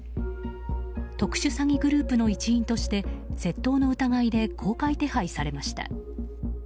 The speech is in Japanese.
特殊詐欺グループの一員として窃盗の疑いで公開手配されました。